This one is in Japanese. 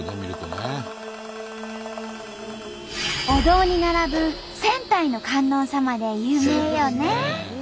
お堂に並ぶ千体の観音様で有名よね。